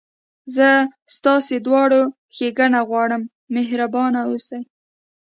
زه ستاسي دواړو ښېګڼه غواړم، مهربانه اوسئ.